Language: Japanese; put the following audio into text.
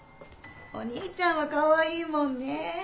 お兄ちゃんはカワイイもんね